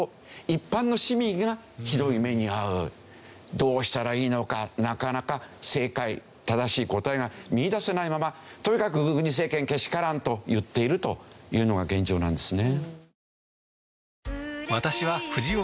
どうしたらいいのかなかなか正解正しい答えが見いだせないままとにかく軍事政権けしからんと言っているというのが現状なんですね。